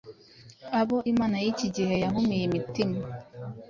abo imana y’iki gihe yahumiye imitima,